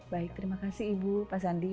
baik terima kasih ibu pak sandi